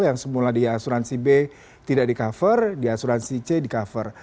yang semula di asuransi b tidak di cover di asuransi c di cover